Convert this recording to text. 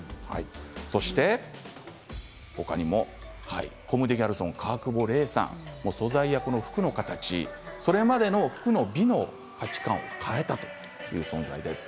そしてほかにもコムデギャルソン川久保玲さん素材や色の形それまでの服の美の価値観を変えたという存在です。